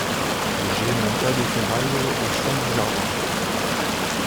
J'ai mon tas de ferrailles au fond du jardin.